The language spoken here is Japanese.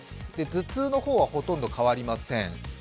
頭痛の方はほとんど変わりません。